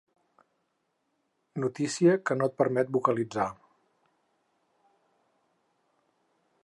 Notícia que no et permet vocalitzar.